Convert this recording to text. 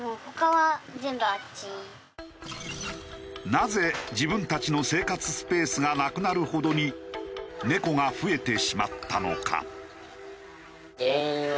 なぜ自分たちの生活スペースがなくなるほどに猫が増えてしまったのか？